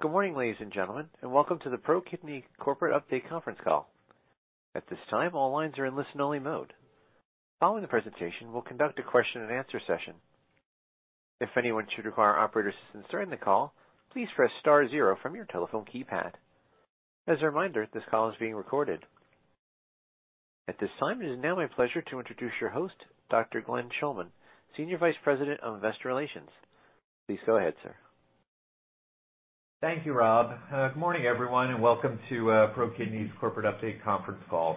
Good morning, ladies and gentlemen, and welcome to the ProKidney Corporate Update Conference Call. At this time, all lines are in listen-only mode. Following the presentation, we'll conduct a question-and-answer session. If anyone should require operator assistance during the call, please press star zero from your telephone keypad. As a reminder, this call is being recorded. At this time, it is now my pleasure to introduce your host, Dr. Glenn Schulman, Senior Vice President of Investor Relations. Please go ahead, sir. Thank you, Rob. Good morning, everyone, and welcome to ProKidney's Corporate Update Conference Call.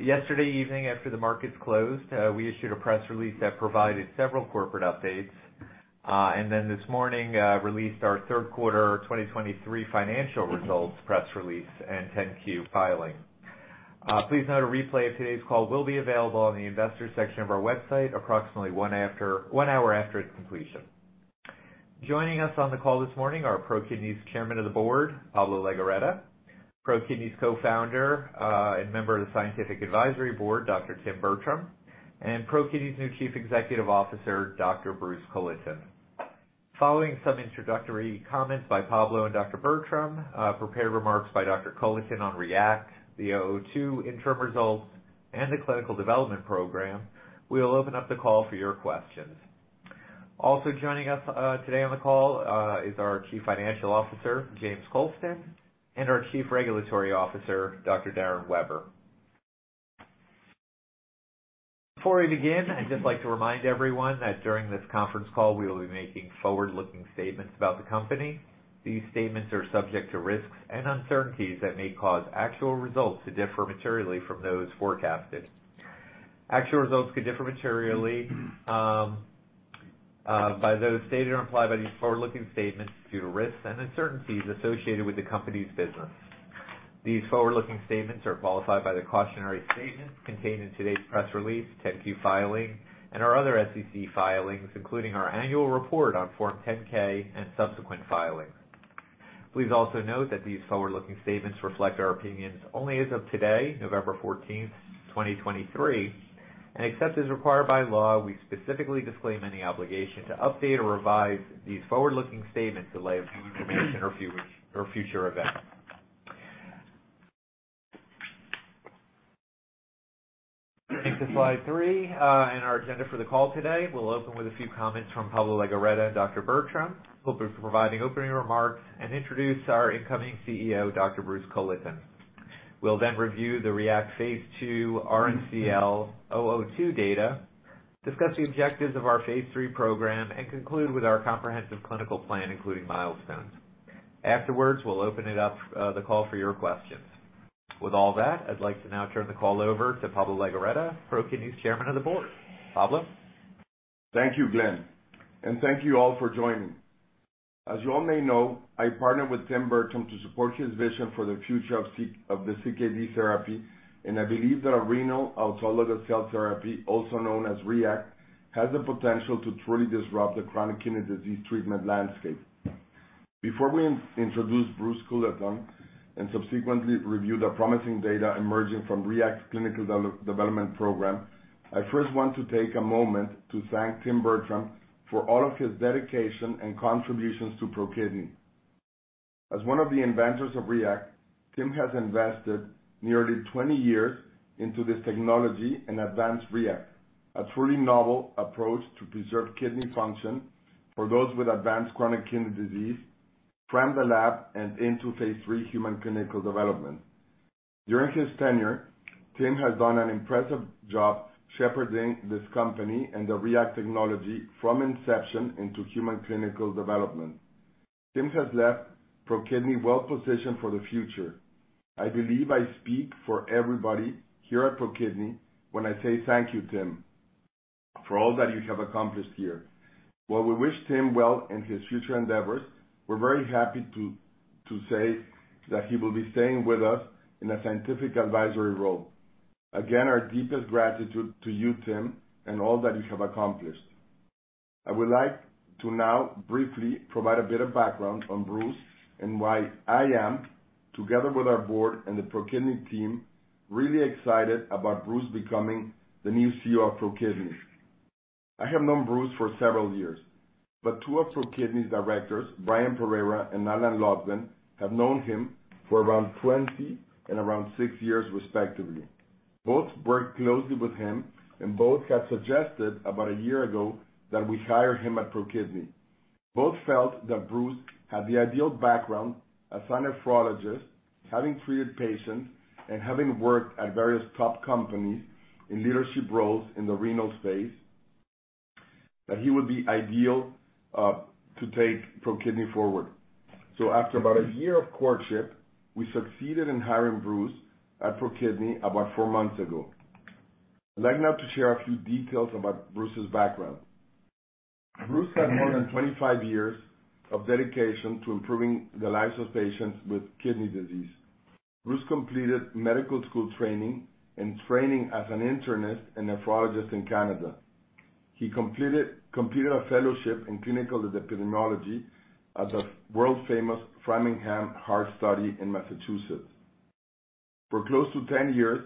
Yesterday evening, after the markets closed, we issued a press release that provided several corporate updates, and then this morning, released our third quarter 2023 financial results press release and 10-Q filing. Please note, a replay of today's call will be available on the investors section of our website approximately one hour after its completion. Joining us on the call this morning are ProKidney's Chairman of the Board, Pablo Legorreta, ProKidney's Co-Founder, and member of the Scientific Advisory Board, Dr. Tim Bertram, and ProKidney's new Chief Executive Officer, Dr. Bruce Culleton. Following some introductory comments by Pablo and Dr. Bertram, prepared remarks by Dr. Culleton on REACT, the PROACT 2 interim results and the clinical development program, we will open up the call for your questions. Also joining us today on the call is our Chief Financial Officer, James Coulston, and our Chief Regulatory Officer, Dr. Darin Weber. Before we begin, I'd just like to remind everyone that during this conference call, we will be making forward-looking statements about the company. These statements are subject to risks and uncertainties that may cause actual results to differ materially from those forecasted. Actual results could differ materially by those stated or implied by these forward-looking statements due to risks and uncertainties associated with the company's business. These forward-looking statements are qualified by the cautionary statements contained in today's press release, 10-Q filing, and our other SEC filings, including our annual report on Form 10-K and subsequent filings. Please also note that these forward-looking statements reflect our opinions only as of today, November 14, 2023, and except as required by law, we specifically disclaim any obligation to update or revise these forward-looking statements to reflect any new information or future events. Onto slide three and our agenda for the call today, we'll open with a few comments from Pablo Legorreta and Dr. Bertram, who will be providing opening remarks and introduce our incoming CEO, Dr. Bruce Culleton. We'll then review the REACT phase II RMCL-002 data, discuss the objectives of our phase III program, and conclude with our comprehensive clinical plan, including milestones. Afterwards, we'll open up the call for your questions. With all that, I'd like to now turn the call over to Pablo Legorreta, ProKidney's Chairman of the Board. Pablo? Thank you, Glenn, and thank you all for joining. As you all may know, I partnered with Tim Bertram to support his vision for the future of CKD therapy, and I believe that a renal autologous cell therapy, also known as REACT, has the potential to truly disrupt the chronic kidney disease treatment landscape. Before we introduce Bruce Culleton and subsequently review the promising data emerging from REACT's clinical development program, I first want to take a moment to thank Tim Bertram for all of his dedication and contributions to ProKidney. As one of the inventors of REACT, Tim has invested nearly 20 years into this technology and advanced REACT, a truly novel approach to preserve kidney function for those with advanced chronic kidney disease from the lab and into phase III human clinical development. During his tenure, Tim has done an impressive job shepherding this company and the REACT technology from inception into human clinical development. Tim has left ProKidney well positioned for the future. I believe I speak for everybody here at ProKidney when I say thank you, Tim, for all that you have accomplished here. While we wish Tim well in his future endeavors, we're very happy to say that he will be staying with us in a scientific advisory role. Again, our deepest gratitude to you, Tim, and all that you have accomplished. I would like to now briefly provide a bit of background on Bruce and why I am, together with our board and the ProKidney team, really excited about Bruce becoming the new CEO of ProKidney. I have known Bruce for several years, but two of ProKidney's directors, Brian Pereira and Alan Lotvin, have known him for around 20 and around six years, respectively. Both worked closely with him, and both had suggested about a year ago that we hire him at ProKidney. Both felt that Bruce had the ideal background as a nephrologist, having treated patients and having worked at various top companies in leadership roles in the renal space, that he would be ideal to take ProKidney forward. So after about a year of courtship, we succeeded in hiring Bruce at ProKidney about four months ago. I'd like now to share a few details about Bruce's background. Bruce has more than 25 years of dedication to improving the lives of patients with kidney disease. Bruce completed medical school training and training as an internist and nephrologist in Canada. He completed a fellowship in clinical epidemiology at the world-famous Framingham Heart Study in Massachusetts. For close to 10 years,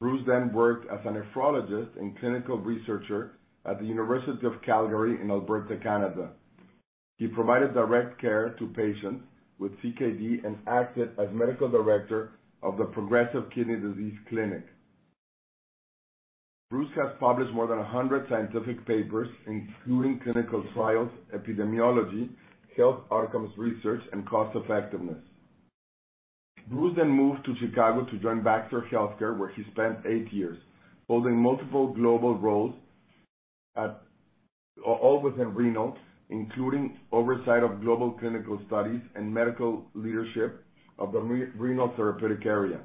Bruce then worked as a nephrologist and clinical researcher at the University of Calgary in Alberta, Canada. He provided direct care to patients with CKD and acted as medical director of the Progressive Kidney Disease Clinic. Bruce has published more than 100 scientific papers, including clinical trials, epidemiology, health outcomes research, and cost effectiveness. Bruce then moved to Chicago to join Baxter Healthcare, where he spent 8 years holding multiple global roles, all within renal, including oversight of global clinical studies and medical leadership of the renal therapeutic area.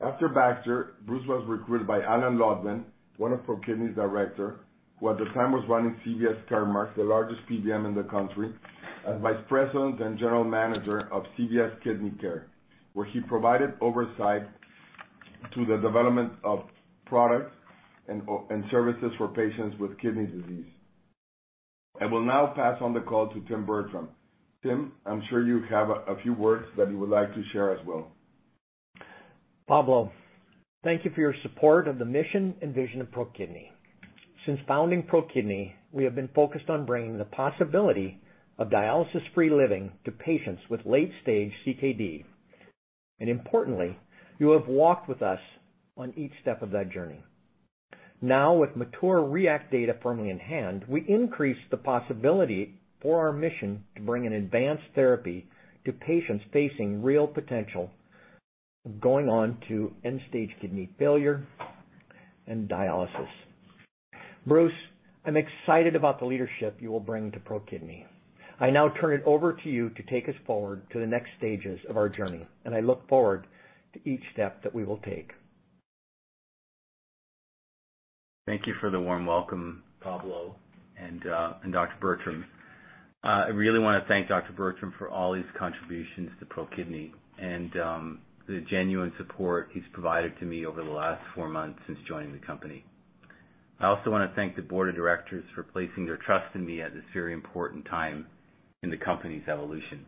After Baxter, Bruce was recruited by Alan Lotvin, one of ProKidney's director, who at the time was running CVS Caremark, the largest PBM in the country, as Vice President and General Manager of CVS Kidney Care, where he provided oversight to the development of products and and services for patients with kidney disease. I will now pass on the call to Tim Bertram. Tim, I'm sure you have a, a few words that you would like to share as well. Pablo, thank you for your support of the mission and vision of ProKidney. Since founding ProKidney, we have been focused on bringing the possibility of dialysis-free living to patients with late-stage CKD. And importantly, you have walked with us on each step of that journey. Now, with mature REACT data firmly in hand, we increase the possibility for our mission to bring an advanced therapy to patients facing real potential of going on to end-stage kidney failure and dialysis. Bruce, I'm excited about the leadership you will bring to ProKidney. I now turn it over to you to take us forward to the next stages of our journey, and I look forward to each step that we will take. Thank you for the warm welcome, Pablo and Dr. Bertram. I really wanna thank Dr. Bertram for all his contributions to ProKidney and the genuine support he's provided to me over the last 4 months since joining the company. I also want to thank the board of directors for placing their trust in me at this very important time in the company's evolution.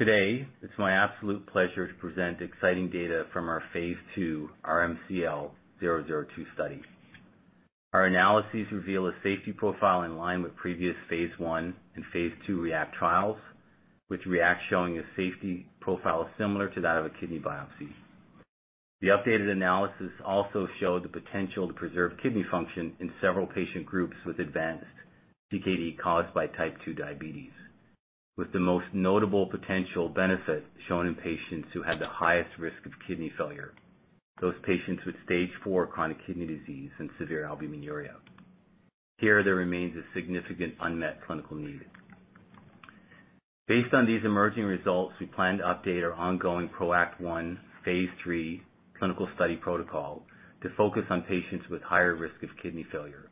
Today, it's my absolute pleasure to present exciting data from our phase II RMCL-002 study. Our analyses reveal a safety profile in line with previous phase I and phase II REACT trials, with REACT showing a safety profile similar to that of a kidney biopsy. The updated analysis also showed the potential to preserve kidney function in several patient groups with advanced CKD, caused by type 2 diabetes, with the most notable potential benefit shown in patients who had the highest risk of kidney failure, those patients with Stage four chronic kidney disease and severe albuminuria. Here, there remains a significant unmet clinical need. Based on these emerging results, we plan to update our ongoing PROACT 1, phase III clinical study protocol, to focus on patients with higher risk of kidney failure.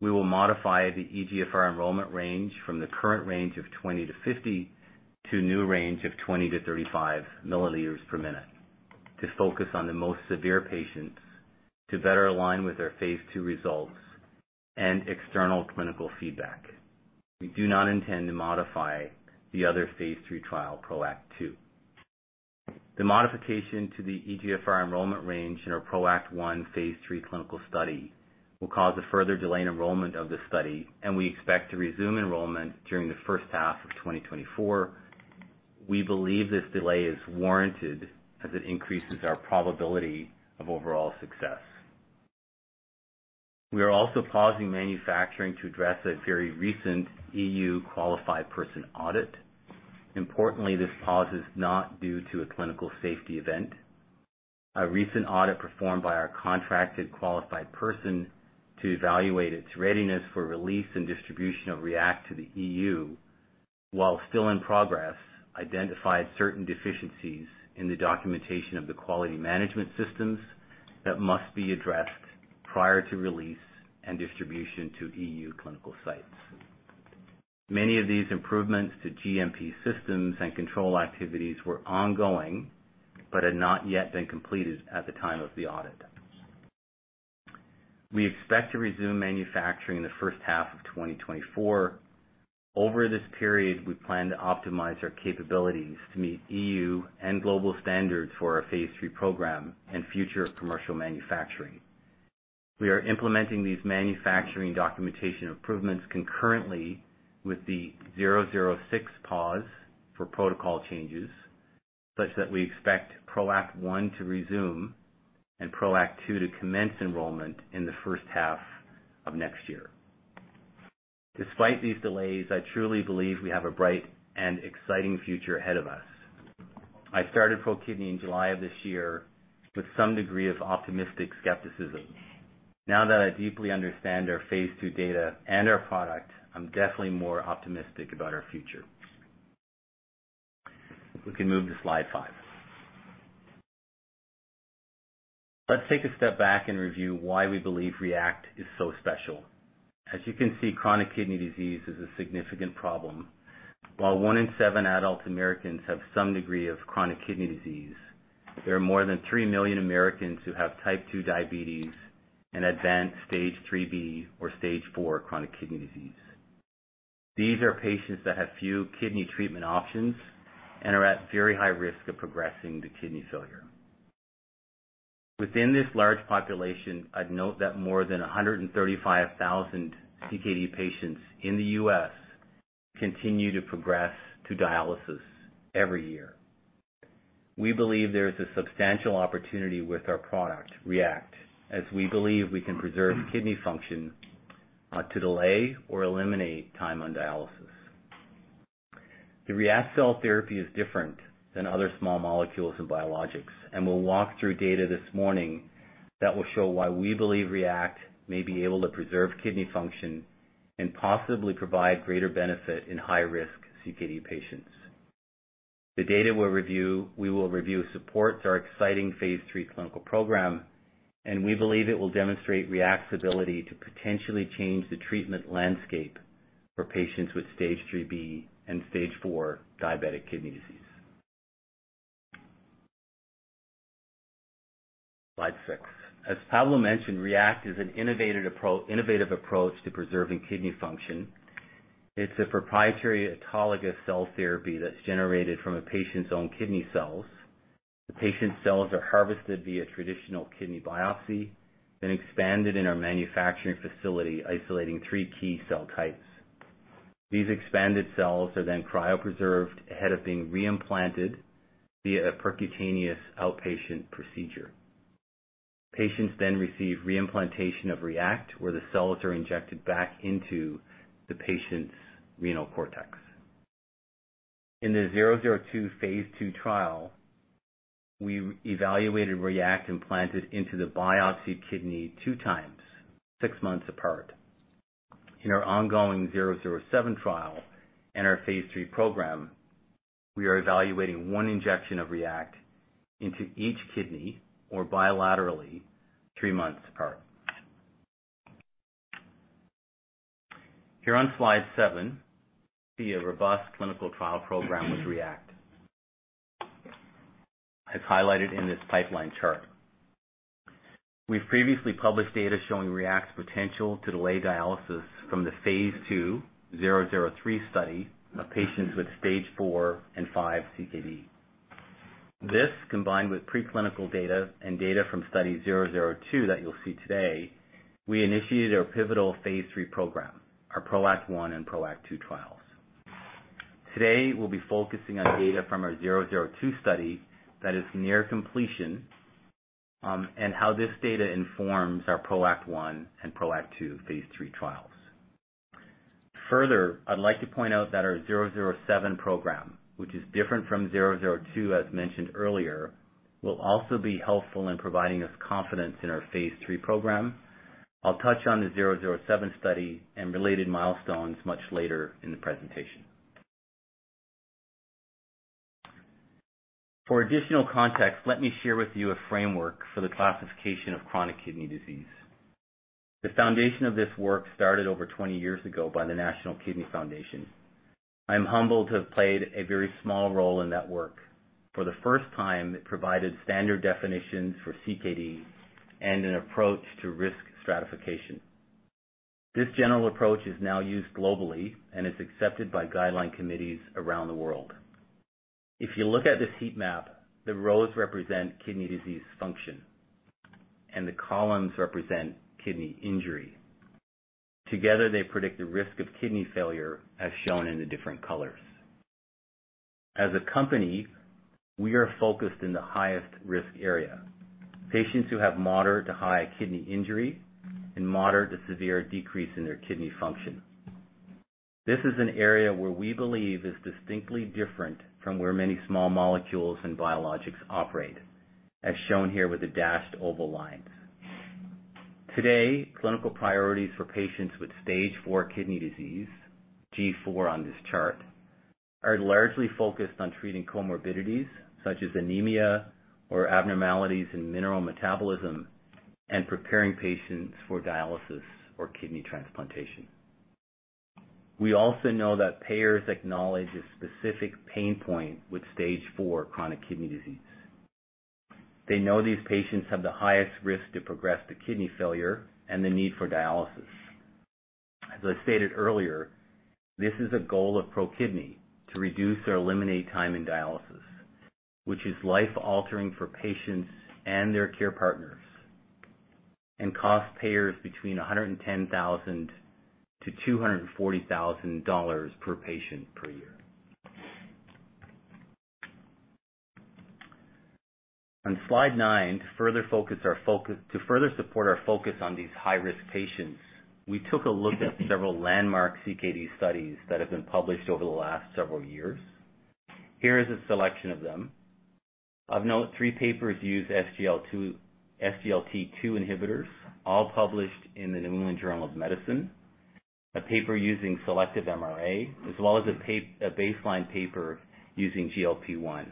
We will modify the eGFR enrollment range from the current range of 20-50 to new range of 20-35 milliliters per minute, to focus on the most severe patients, to better align with our phase II results and external clinical feedback. We do not intend to modify the other phase III trial, PROACT 2. The modification to the eGFR enrollment range in our PROACT 1, phase III clinical study, will cause a further delay in enrollment of the study, and we expect to resume enrollment during the first half of 2024. We believe this delay is warranted as it increases our probability of overall success. We are also pausing manufacturing to address a very recent EU Qualified Person audit. Importantly, this pause is not due to a clinical safety event. A recent audit performed by our contracted, Qualified Person to evaluate its readiness for release and distribution of REACT to the EU, while still in progress, identified certain deficiencies in the documentation of the quality management systems that must be addressed prior to release and distribution to EU clinical sites. Many of these improvements to GMP systems and control activities were ongoing, but had not yet been completed at the time of the audit. We expect to resume manufacturing in the first half of 2024. Over this period, we plan to optimize our capabilities to meet EU and global standards for our phase III program and future commercial manufacturing. We are implementing these manufacturing documentation improvements concurrently with the 006 pause for protocol changes, such that we expect PROACT 1 to resume and PROACT 2 to commence enrollment in the first half of next year. Despite these delays, I truly believe we have a bright and exciting future ahead of us. I started ProKidney in July of this year with some degree of optimistic skepticism. Now that I deeply understand our phase II data and our product, I'm definitely more optimistic about our future. We can move to slide five. Let's take a step back and review why we believe REACT is so special. As you can see, chronic kidney disease is a significant problem. While one in seven adult Americans have some degree of chronic kidney disease, there are more than three million Americans who have type 2 diabetes and advanced Stage 3b or Stage four chronic kidney disease... These are patients that have few kidney treatment options and are at very high risk of progressing to kidney failure. Within this large population, I'd note that more than 135,000 CKD patients in the U.S. continue to progress to dialysis every year. We believe there is a substantial opportunity with our product, REACT, as we believe we can preserve kidney function to delay or eliminate time on dialysis. The REACT cell therapy is different than other small molecules and biologics, and we'll walk through data this morning that will show why we believe REACT may be able to preserve kidney function and possibly provide greater benefit in high-risk CKD patients. The data we'll review supports our exciting phase III clinical program, and we believe it will demonstrate REACT's ability to potentially change the treatment landscape for patients with Stage 3b and Stage 4 diabetic kidney disease. Slide six. As Pablo mentioned, REACT is an innovative approach, innovative approach to preserving kidney function. It's a proprietary autologous cell therapy that's generated from a patient's own kidney cells. The patient's cells are harvested via traditional kidney biopsy, then expanded in our manufacturing facility, isolating three key cell types. These expanded cells are then cryopreserved ahead of being re-implanted via a percutaneous outpatient procedure. Patients then receive re-implantation of REACT, where the cells are injected back into the patient's renal cortex. In the 002 phase II trial, we evaluated REACT implanted into the biopsied kidney 2x, 6 months apart. In our ongoing 007 trial and our phase III program, we are evaluating one injection of REACT into each kidney, or bilaterally, three months apart. Here on slide seven, see a robust clinical trial program with REACT. I've highlighted in this pipeline chart. We've previously published data showing REACT's potential to delay dialysis from the phase II 003 study of patients with Stage 4 and 5 CKD. This, combined with preclinical data and data from study 002 that you'll see today, we initiated our pivotal phase III program, our PROACT 1 and PROACT 2 trials. Today, we'll be focusing on data from our 002 study that is near completion, and how this data informs our PROACT 1 and PROACT 2 phase three trials. Further, I'd like to point out that our 007 program, which is different from 002, as mentioned earlier, will also be helpful in providing us confidence in our phase III program. I'll touch on the 007 study and related milestones much later in the presentation. For additional context, let me share with you a framework for the classification of chronic kidney disease. The foundation of this work started over 20 years ago by the National Kidney Foundation. I'm humbled to have played a very small role in that work. For the first time, it provided standard definitions for CKD and an approach to risk stratification. This general approach is now used globally and is accepted by guideline committees around the world. If you look at this heat map, the rows represent kidney disease function, and the columns represent kidney injury. Together, they predict the risk of kidney failure, as shown in the different colors. As a company, we are focused in the highest risk area, patients who have moderate to high kidney injury and moderate to severe decrease in their kidney function. This is an area where we believe is distinctly different from where many small molecules and biologics operate, as shown here with the dashed oval line. Today, clinical priorities for patients with Stage 4 kidney disease, G4 on this chart, are largely focused on treating comorbidities such as anemia or abnormalities in mineral metabolism and preparing patients for dialysis or kidney transplantation. We also know that payers acknowledge a specific pain point with Stage 4 chronic kidney disease. They know these patients have the highest risk to progress to kidney failure and the need for dialysis. As I stated earlier, this is a goal of ProKidney, to reduce or eliminate time in dialysis, which is life-altering for patients and their care partners and costs payers between $110,000-$240,000 per patient per year. On slide nine, to further support our focus on these high-risk patients, we took a look at several landmark CKD studies that have been published over the last several years. Here is a selection of them. Of note, three papers use SGLT2 inhibitors, all published in the New England Journal of Medicine, a paper using selective MRA, as well as a baseline paper using GLP-1.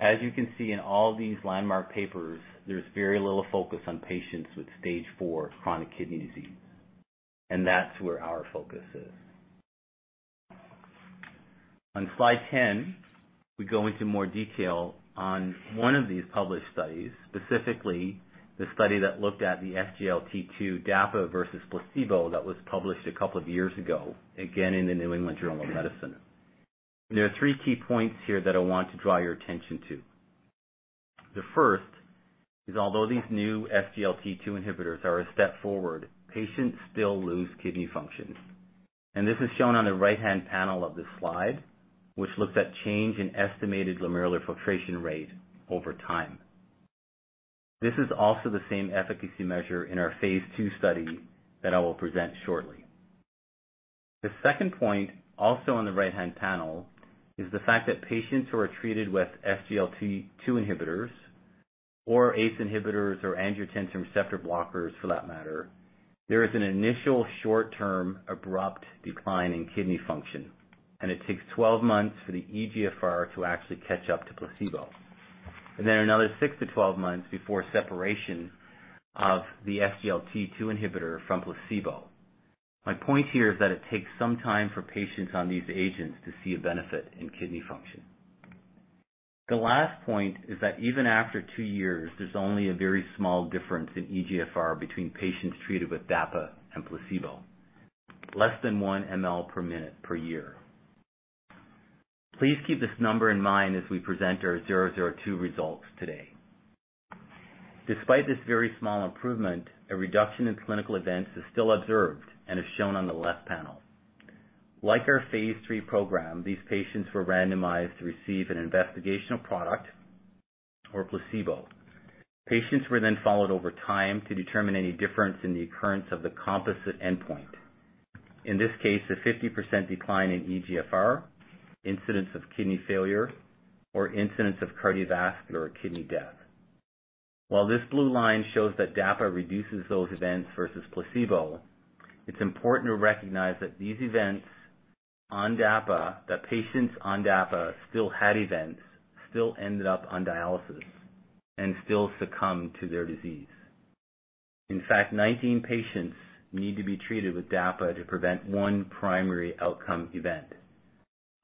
As you can see in all these landmark papers, there's very little focus on patients with Stage four chronic kidney disease, and that's where our focus is. On Slide 10, we go into more detail on one of these published studies, specifically the study that looked at the SGLT2 DAPA versus placebo that was published a couple of years ago, again, in the New England Journal of Medicine. There are three key points here that I want to draw your attention to. The first is, although these new SGLT2 inhibitors are a step forward, patients still lose kidney function, and this is shown on the right-hand panel of this slide, which looks at change in estimated glomerular filtration rate over time. This is also the same efficacy measure in our phase II study that I will present shortly. The second point, also on the right-hand panel, is the fact that patients who are treated with SGLT2 inhibitors or ACE inhibitors, or angiotensin receptor blockers for that matter, there is an initial short-term, abrupt decline in kidney function, and it takes 12 months for the eGFR to actually catch up to placebo. And then another 6-12 months before separation of the SGLT2 inhibitor from placebo. My point here is that it takes some time for patients on these agents to see a benefit in kidney function. The last point is that even after two years, there's only a very small difference in eGFR between patients treated with DAPA and placebo, less than one mL per minute per year. Please keep this number in mind as we present our 002 results today. Despite this very small improvement, a reduction in clinical events is still observed and is shown on the left panel. Like our phase III program, these patients were randomized to receive an investigational product or placebo. Patients were then followed over time to determine any difference in the occurrence of the composite endpoint. In this case, a 50% decline in eGFR, incidence of kidney failure, or incidence of cardiovascular or kidney death. While this blue line shows that DAPA reduces those events versus placebo, it's important to recognize that these events on DAPA, that patients on DAPA still had events, still ended up on dialysis and still succumbed to their disease. In fact, 19 patients need to be treated with DAPA to prevent one primary outcome event,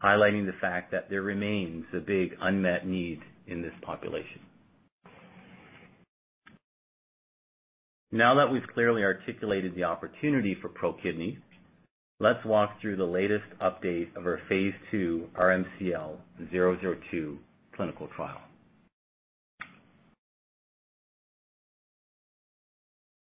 highlighting the fact that there remains a big unmet need in this population. Now that we've clearly articulated the opportunity for ProKidney, let's walk through the latest update of our phase II RMCL-002 clinical trial.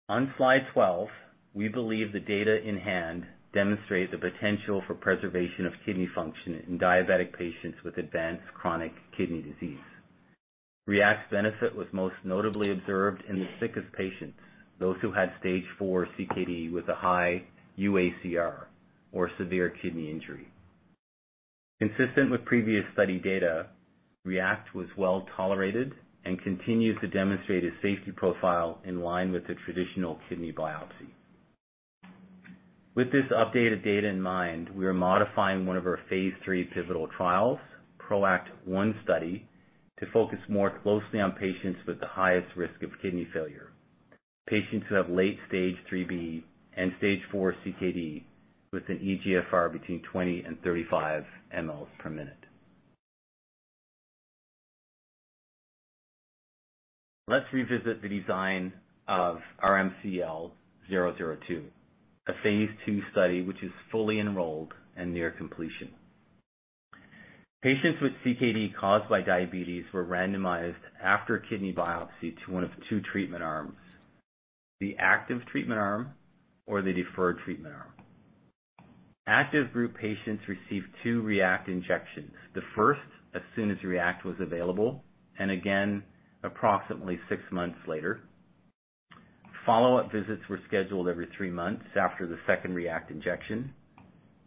On Slide 12, we believe the data in hand demonstrate the potential for preservation of kidney function in diabetic patients with advanced chronic kidney disease. REACT's benefit was most notably observed in the sickest patients, those who had Stage 4 CKD with a high UACR or severe kidney injury. Consistent with previous study data, REACT was well-tolerated and continues to demonstrate a safety profile in line with the traditional kidney biopsy. With this updated data in mind, we are modifying one of our phase III pivotal trials, PROACT 1 study, to focus more closely on patients with the highest risk of kidney failure, patients who have late Stage 3b and Stage 4 CKD, with an eGFR between 20-35 mL/min. Let's revisit the design of RMCL-002, a phase II study, which is fully enrolled and near completion. Patients with CKD caused by diabetes were randomized after a kidney biopsy to one of two treatment arms: the active treatment arm or the deferred treatment arm. Active group patients received two REACT injections, the first as soon as REACT was available, and again approximately six months later. Follow-up visits were scheduled every three months after the second REACT injection,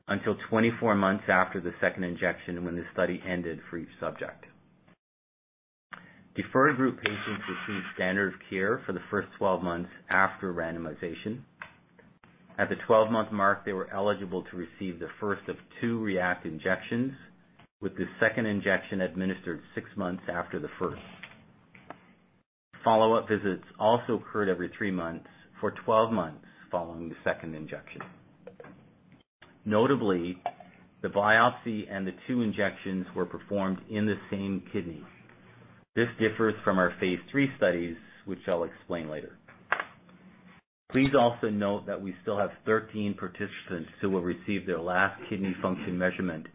until 24 months after the second injection when the study ended for each subject. Deferred group patients received standard of care for the first 12 months after randomization. At the 12-month mark, they were eligible to receive the first of two REACT injections, with the second injection administered 6 months after the first. Follow-up visits also occurred every three months for 12 months following the second injection. Notably, the biopsy and the two injections were performed in the same kidney. This differs from our phase III studies, which I'll explain later. Please also note that we still have 13 participants who will receive their last kidney function measurement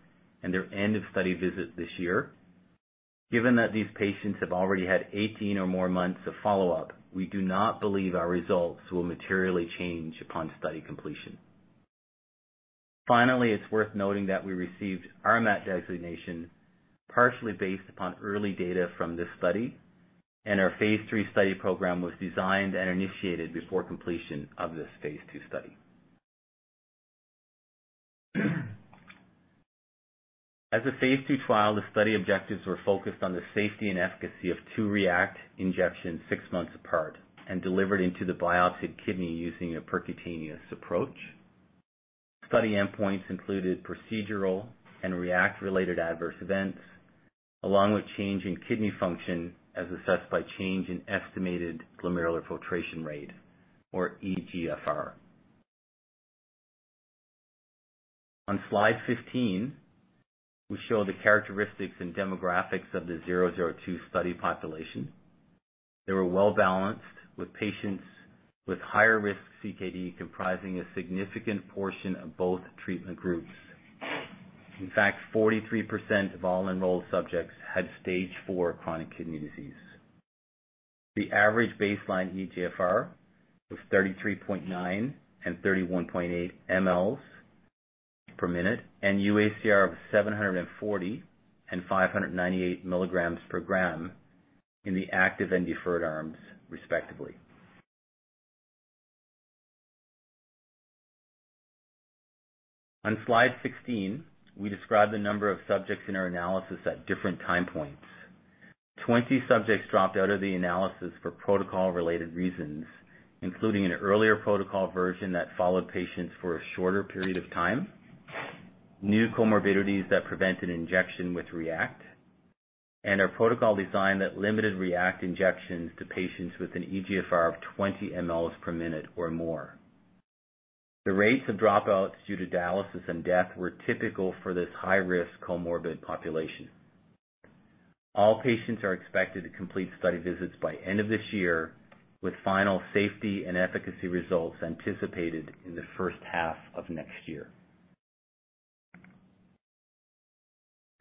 and their end of study visit this year. Given that these patients have already had 18 or more months of follow-up, we do not believe our results will materially change upon study completion. Finally, it's worth noting that we received RMAT designation partially based upon early data from this study, and our phase III study program was designed and initiated before completion of this phase II study. As a phase II trial, the study objectives were focused on the safety and efficacy of two REACT injections six months apart and delivered into the biopsied kidney using a percutaneous approach. Study endpoints included procedural and REACT-related adverse events, along with change in kidney function, as assessed by change in estimated glomerular filtration rate, or eGFR. On Slide 15, we show the characteristics and demographics of the 002 study population. They were well-balanced, with patients with higher risk CKD comprising a significant portion of both treatment groups. In fact, 43% of all enrolled subjects had Stage 4 chronic kidney disease. The average baseline eGFR was 33.9 and 31.8 mL/min, and UACR of 740 and 598 mg/g in the active and deferred arms, respectively. On Slide 16, we describe the number of subjects in our analysis at different time points. 20 subjects dropped out of the analysis for protocol-related reasons, including an earlier protocol version that followed patients for a shorter period of time, new comorbidities that prevented injection with REACT, and a protocol design that limited REACT injections to patients with an eGFR of 20 mL/min or more. The rates of dropouts due to dialysis and death were typical for this high-risk comorbid population. All patients are expected to complete study visits by end of this year, with final safety and efficacy results anticipated in the first half of next year.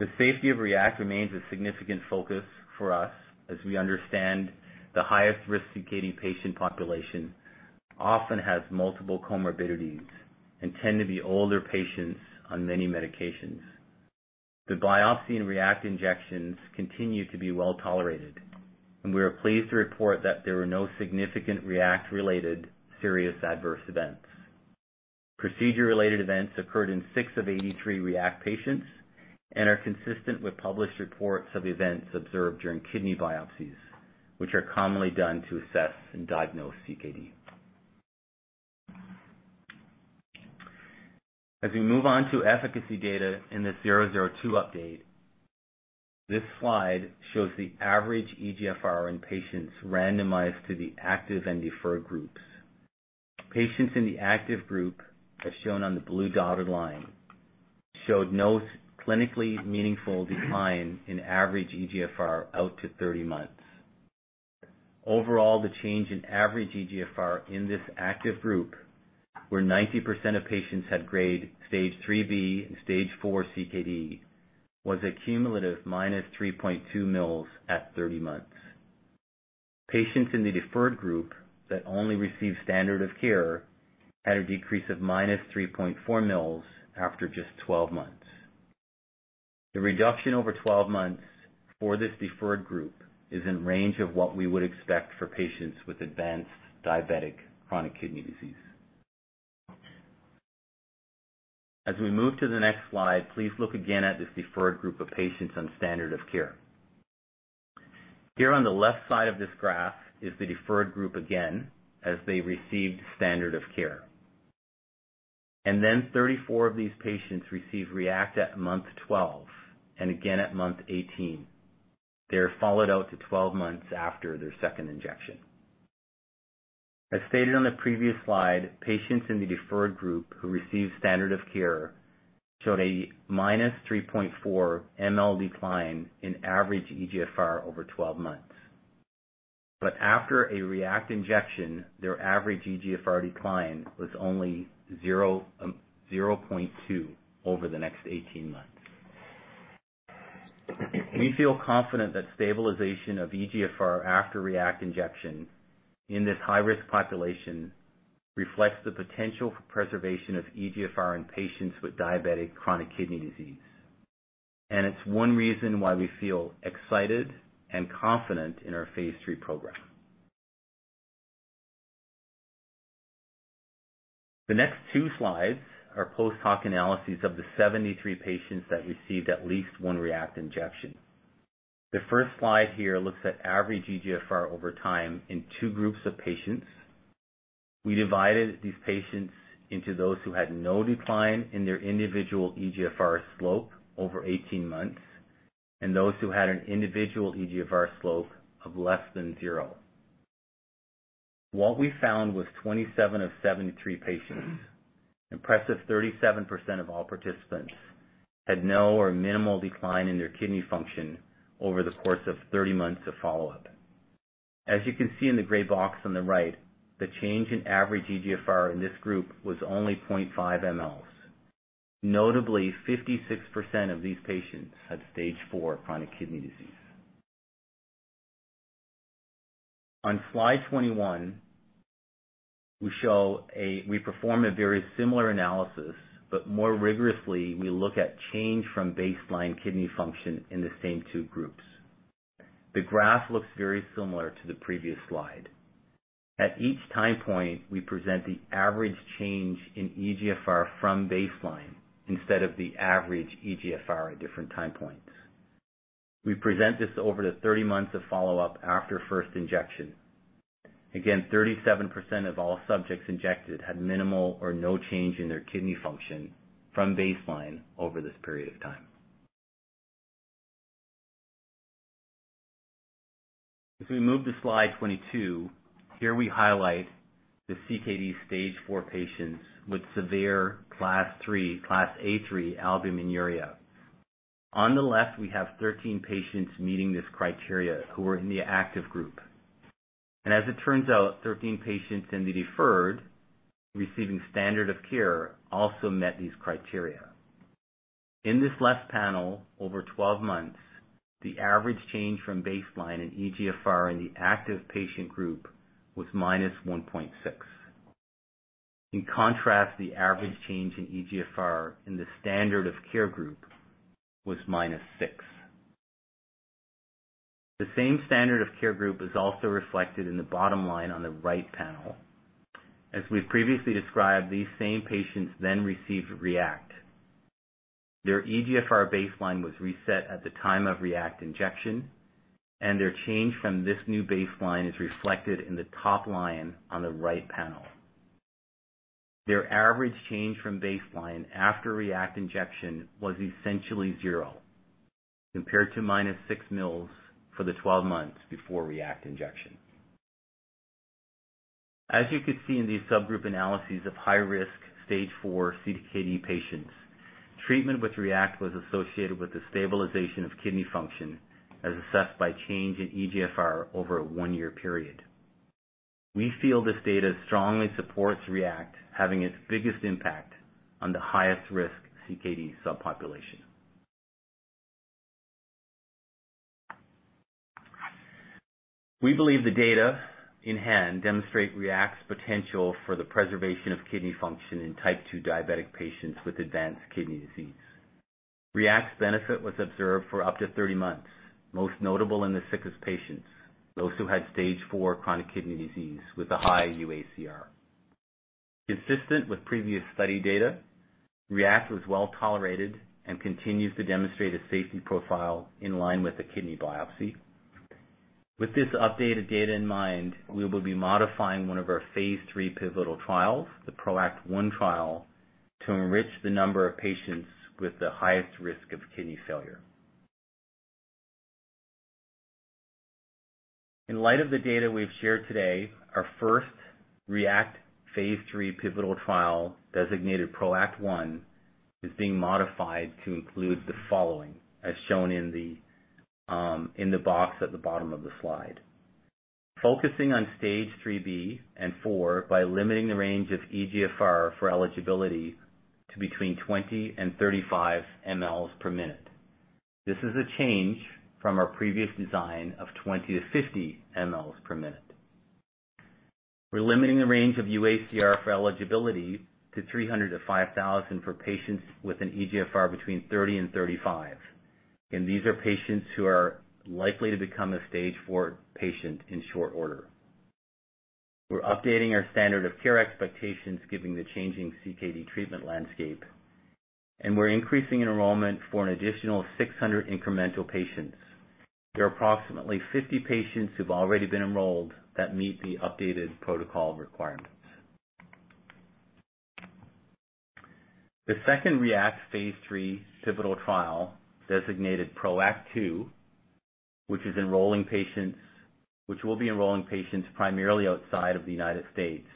The safety of REACT remains a significant focus for us as we understand the highest-risk CKD patient population often has multiple comorbidities and tend to be older patients on many medications. The biopsy and REACT injections continue to be well tolerated, and we are pleased to report that there were no significant REACT-related serious adverse events. Procedure-related events occurred in six of 83 REACT patients and are consistent with published reports of events observed during kidney biopsies, which are commonly done to assess and diagnose CKD. As we move on to efficacy data in the 002 update, this slide shows the average eGFR in patients randomized to the active and deferred groups. Patients in the active group, as shown on the blue dotted line, showed no clinically meaningful decline in average eGFR out to 30 months. Overall, the change in average eGFR in this active group, where 90% of patients had Stage 3b and Stage 4 CKD, was a cumulative -3.2 mL at 30 months. Patients in the deferred group that only received standard of care had a decrease of -3.4 mL after just 12 months. The reduction over 12 months for this deferred group is in range of what we would expect for patients with advanced diabetic chronic kidney disease. As we move to the next slide, please look again at this deferred group of patients on standard of care. Here on the left side of this graph is the deferred group again, as they received standard of care. Then 34 of these patients received REACT at month 12 and again at month 18. They are followed out to 12 months after their second injection. As stated on the previous slide, patients in the deferred group who received standard of care showed a minus 3.4 mL decline in average eGFR over 12 months. But after a REACT injection, their average eGFR decline was only zero, 0.2 over the next 18 months. We feel confident that stabilization of eGFR after REACT injection in this high-risk population reflects the potential for preservation of eGFR in patients with diabetic chronic kidney disease, and it's one reason why we feel excited and confident in our phase III program. The next two slides are post-hoc analyses of the 73 patients that received at least one REACT injection. The first slide here looks at average eGFR over time in two groups of patients. We divided these patients into those who had no decline in their individual eGFR slope over 18 months and those who had an individual eGFR slope of less than zero. What we found was 27 of 73 patients, impressive 37% of all participants, had no or minimal decline in their kidney function over the course of 30 months of follow-up. As you can see in the gray box on the right, the change in average eGFR in this group was only 0.5 mL. Notably, 56% of these patients had Stage 4 chronic kidney disease. On Slide 21, we show we perform a very similar analysis, but more rigorously, we look at change from baseline kidney function in the same two groups. The graph looks very similar to the previous slide. At each time point, we present the average change in eGFR from baseline instead of the average eGFR at different time points. We present this over the 30 months of follow-up after first injection. Again, 37% of all subjects injected had minimal or no change in their kidney function from baseline over this period of time.... As we move to slide 22, here we highlight the CKD Stage IV patients with severe Class III, Class A3 albuminuria. On the left, we have 13 patients meeting this criteria who are in the active group. And as it turns out, 13 patients in the deferred, receiving standard of care, also met these criteria. In this left panel, over 12 months, the average change from baseline in eGFR in the active patient group was -1.6. In contrast, the average change in eGFR in the standard of care group was -6. The same standard of care group is also reflected in the bottom line on the right panel. As we've previously described, these same patients then received REACT. Their eGFR baseline was reset at the time of REACT injection, and their change from this new baseline is reflected in the top line on the right panel. Their average change from baseline after REACT injection was essentially zero, compared to -6 mLs for the 12 months before REACT injection. As you can see in these subgroup analyses of high-risk Stage 4 CKD patients, treatment with REACT was associated with the stabilization of kidney function, as assessed by change in eGFR over a one year period. We feel this data strongly supports REACT having its biggest impact on the highest-risk CKD subpopulation. We believe the data in hand demonstrate REACT's potential for the preservation of kidney function in type two diabetic patients with advanced kidney disease. REACT's benefit was observed for up to 30 months, most notable in the sickest patients, those who had Stage 4 chronic kidney disease with a high UACR. Consistent with previous study data, REACT was well-tolerated and continues to demonstrate a safety profile in line with the kidney biopsy. With this updated data in mind, we will be modifying one of our phase III pivotal trials, the PROACT 1 trial, to enrich the number of patients with the highest risk of kidney failure. In light of the data we've shared today, our first REACT phase III pivotal trial, designated PROACT 1, is being modified to include the following, as shown in the, in the box at the bottom of the slide. Focusing on Stage 3b and 4, by limiting the range of eGFR for eligibility to between 20-35 mL/min. This is a change from our previous design of 20-50 mL/min. We're limiting the range of UACR for eligibility to 300-5,000 for patients with an eGFR between 30-35, and these are patients who are likely to become a Stage 4 patient in short order. We're updating our standard of care expectations, given the changing CKD treatment landscape, and we're increasing enrollment for an additional 600 incremental patients. There are approximately 50 patients who've already been enrolled that meet the updated protocol requirements. The second REACT phase III pivotal trial, designated PROACT 2, which will be enrolling patients primarily outside of the United States,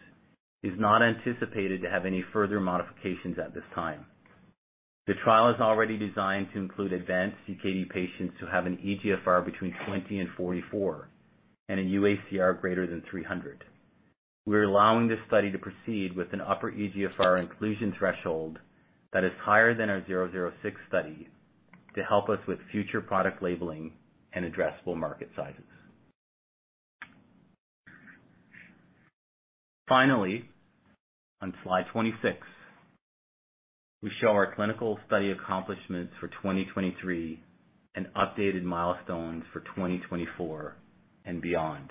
is not anticipated to have any further modifications at this time. The trial is already designed to include advanced CKD patients who have an eGFR between 20 and 44 and a UACR greater than 300. We're allowing this study to proceed with an upper eGFR inclusion threshold that is higher than our 006 study to help us with future product labeling and addressable market sizes. Finally, on slide 26, we show our clinical study accomplishments for 2023 and updated milestones for 2024 and beyond.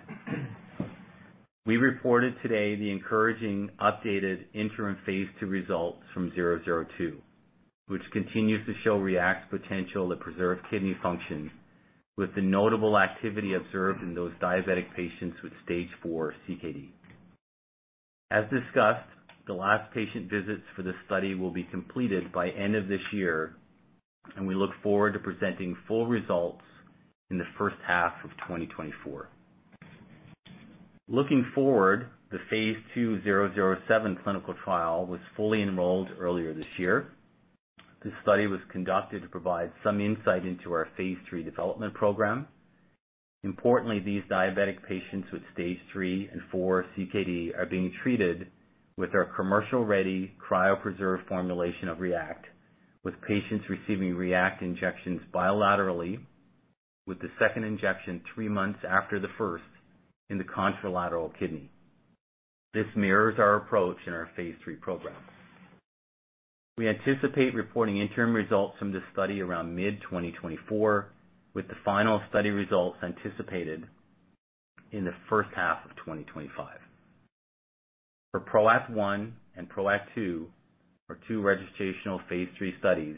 We reported today the encouraging updated interim phase II results from 002, which continues to show REACT's potential to preserve kidney function, with the notable activity observed in those diabetic patients with Stage 4 CKD. As discussed, the last patient visits for this study will be completed by end of this year, and we look forward to presenting full results in the first half of 2024. Looking forward, the phase II RMCL-007 clinical trial was fully enrolled earlier this year. This study was conducted to provide some insight into our phase III development program. Importantly, these diabetic patients with Stage 3 and 4 CKD are being treated with our commercial-ready, cryopreserved formulation of REACT, with patients receiving REACT injections bilaterally, with the second injection 3 months after the first in the contralateral kidney. This mirrors our approach in our phase III program. We anticipate reporting interim results from this study around mid-2024, with the final study results anticipated in the first half of 2025. For PROACT 1 and PROACT 2, our two registrational phase III studies,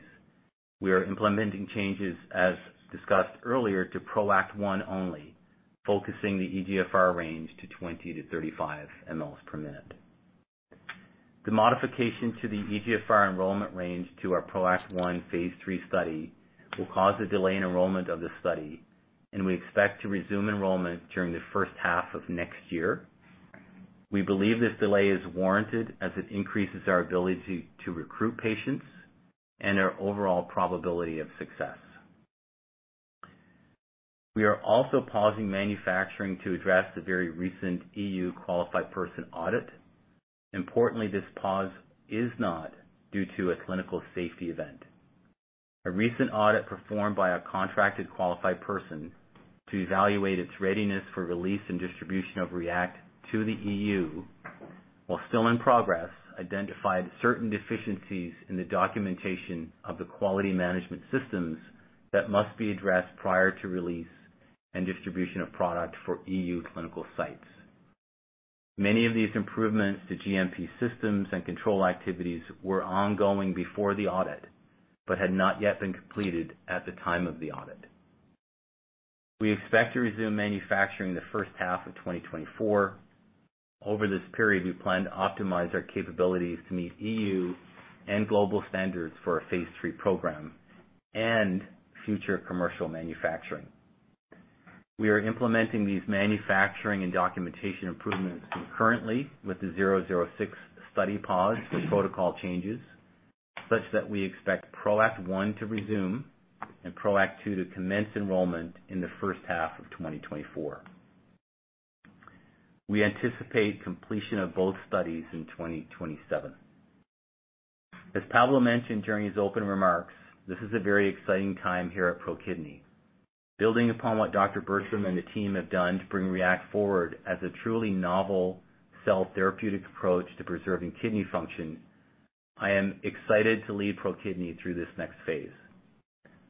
we are implementing changes, as discussed earlier, to PROACT 1 only, focusing the eGFR range to 20-35 mL/min. The modification to the eGFR enrollment range to our PROACT 1 phase III study will cause a delay in enrollment of the study, and we expect to resume enrollment during the first half of next year. We believe this delay is warranted as it increases our ability to recruit patients and our overall probability of success. We are also pausing manufacturing to address the very recent EU qualified person audit. Importantly, this pause is not due to a clinical safety event. A recent audit performed by a contracted qualified person to evaluate its readiness for release and distribution of REACT to the EU, while still in progress, identified certain deficiencies in the documentation of the quality management systems that must be addressed prior to release and distribution of product for EU clinical sites. Many of these improvements to GMP systems and control activities were ongoing before the audit, but had not yet been completed at the time of the audit. We expect to resume manufacturing in the first half of 2024. Over this period, we plan to optimize our capabilities to meet EU and global standards for our phase III program and future commercial manufacturing. We are implementing these manufacturing and documentation improvements concurrently with the 006 study pause for protocol changes, such that we expect PROACT 1 to resume and PROACT 2 to commence enrollment in the first half of 2024. We anticipate completion of both studies in 2027. As Pablo mentioned during his opening remarks, this is a very exciting time here at ProKidney. Building upon what Dr. Bertram and the team have done to bring REACT forward as a truly novel cell therapeutic approach to preserving kidney function, I am excited to lead ProKidney through this next phase.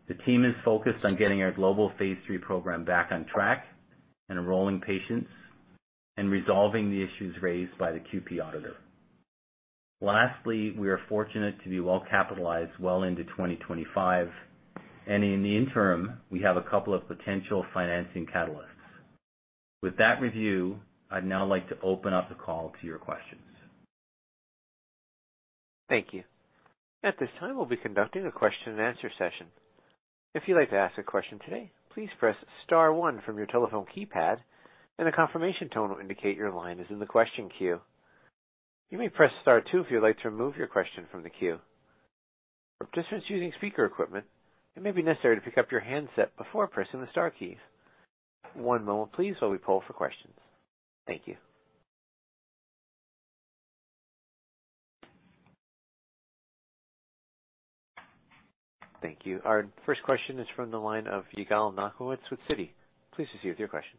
The team is focused on getting our global phase III program back on track and enrolling patients and resolving the issues raised by the QP auditor. Lastly, we are fortunate to be well capitalized well into 2025, and in the interim, we have a couple of potential financing catalysts. With that review, I'd now like to open up the call to your questions. Thank you. At this time, we'll be conducting a question-and-answer session. If you'd like to ask a question today, please press star one from your telephone keypad, and a confirmation tone will indicate your line is in the question queue. You may press star two if you'd like to remove your question from the queue. For participants using speaker equipment, it may be necessary to pick up your handset before pressing the star key. One moment please while we poll for questions. Thank you. Thank you. Our first question is from the line of Yigal Nochomovitz with Citi. Please proceed with your question.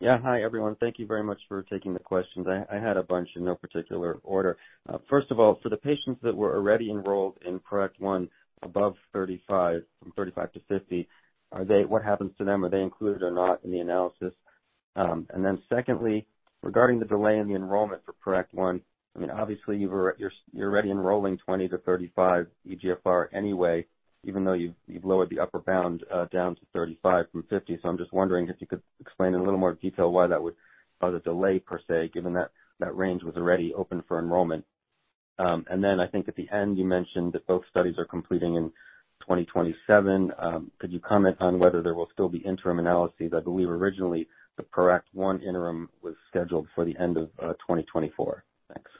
Yeah. Hi, everyone. Thank you very much for taking the questions. I had a bunch in no particular order. First of all, for the patients that were already enrolled in PROACT 1 above 35, from 35 to 50, are they? What happens to them? Are they included or not in the analysis? And then secondly, regarding the delay in the enrollment for PROACT 1, I mean, obviously, you're already enrolling 20-35 eGFR anyway, even though you've lowered the upper bound down to 35 from 50. So I'm just wondering if you could explain in a little more detail why that would cause a delay per se, given that that range was already open for enrollment. And then I think at the end, you mentioned that both studies are completing in 2027. Could you comment on whether there will still be interim analyses? I believe originally the PROACT 1 interim was scheduled for the end of 2024. Thanks.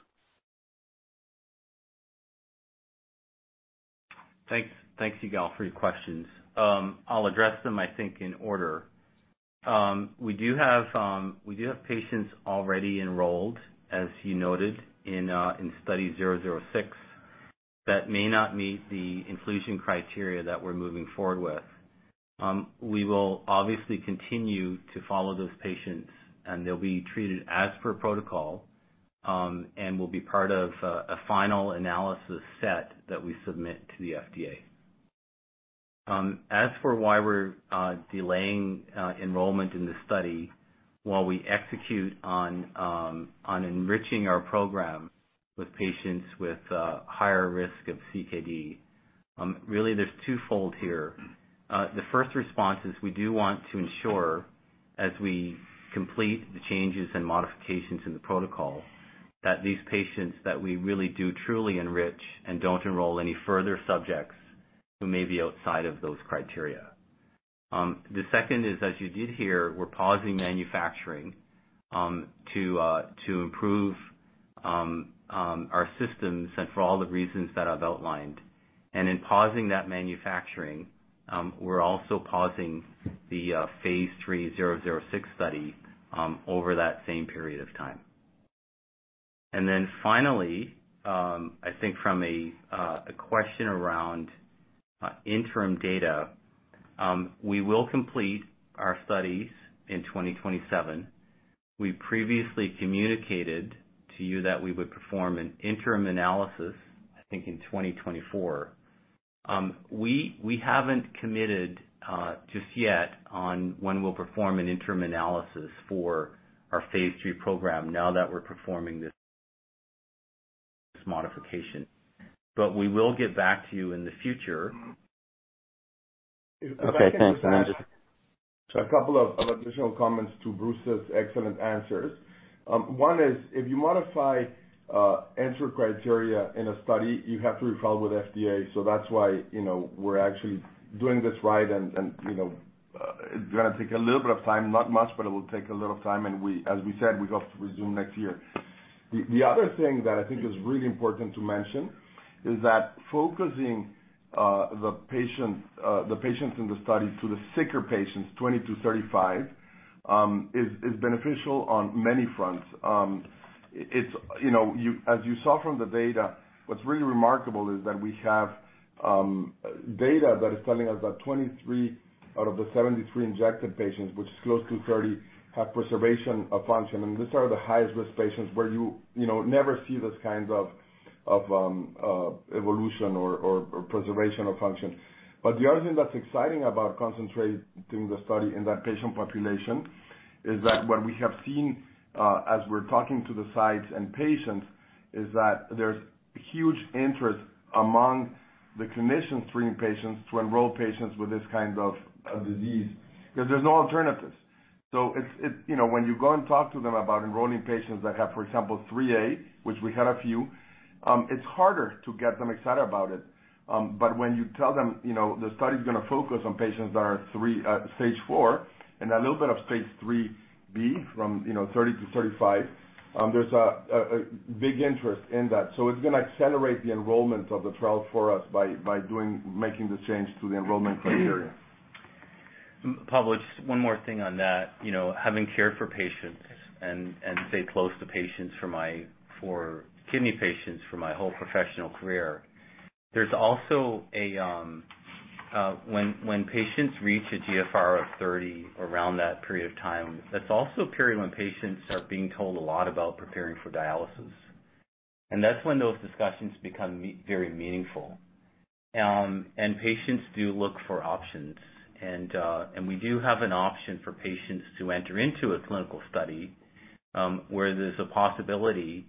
Thanks. Thank you, Yigal, for your questions. I'll address them, I think, in order. We do have patients already enrolled, as you noted, in Study 006, that may not meet the inclusion criteria that we're moving forward with. We will obviously continue to follow those patients, and they'll be treated as per protocol, and will be part of a final analysis set that we submit to the FDA. As for why we're delaying enrollment in the study while we execute on enriching our program with patients with higher risk of CKD, really, there's twofold here. The first response is we do want to ensure, as we complete the changes and modifications in the protocol, that these patients, that we really do truly enrich and don't enroll any further subjects who may be outside of those criteria. The second is, as you did hear, we're pausing manufacturing, to improve our systems and for all the reasons that I've outlined. And in pausing that manufacturing, we're also pausing the phase III 006 study over that same period of time. And then finally, I think from a question around interim data, we will complete our studies in 2027. We previously communicated to you that we would perform an interim analysis, I think, in 2024. We, we haven't committed just yet on when we'll perform an interim analysis for our Phase III program now that we're performing this modification. But we will get back to you in the future. Okay, thanks. And then just- So a couple of additional comments to Bruce's excellent answers. One is, if you modify answer criteria in a study, you have to refile with FDA. So that's why, you know, we're actually doing this right and, you know, it's gonna take a little bit of time, not much, but it will take a little time, and we—as we said, we hope to resume next year. The other thing that I think is really important to mention is that focusing the patients in the study to the sicker patients, 20-35, is beneficial on many fronts. It's, you know, as you saw from the data, what's really remarkable is that we have data that is telling us that 23 out of the 73 injected patients, which is close to 30, have preservation of function. And these are the highest risk patients where you, you know, never see these kinds of evolution or preservation of function. But the other thing that's exciting about concentrating the study in that patient population is that what we have seen as we're talking to the sites and patients is that there's huge interest among the clinicians treating patients to enroll patients with this kind of disease because there's no alternatives. So it's, it... You know, when you go and talk to them about enrolling patients that have, for example, 3A, which we had a few, it's harder to get them excited about it. But when you tell them, you know, the study is gonna focus on patients that are 3, Stage 4, and a little bit of Stage 3b, from, you know, 30 to 35, there's a big interest in that. So it's gonna accelerate the enrollment of the trial for us by making this change to the enrollment criteria. Pablo, just one more thing on that. You know, having cared for patients and stay close to patients for my... for kidney patients for my whole professional career, there's also a when patients reach a GFR of 30, around that period of time, that's also a period when patients are being told a lot about preparing for dialysis. And that's when those discussions become very meaningful. And patients do look for options. And we do have an option for patients to enter into a clinical study, where there's a possibility